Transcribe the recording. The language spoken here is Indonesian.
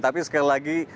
tapi sekali lagi